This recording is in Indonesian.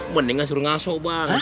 mendingan suruh ngasok bang